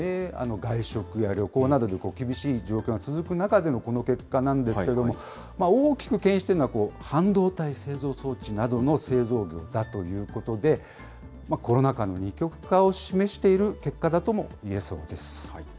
外食や旅行などで厳しい状況が続く中でのこの結果なんですけども、大きくけん引しているのは、半導体製造装置などの製造業だということで、コロナ禍の二極化を示している結果だともいえそうです。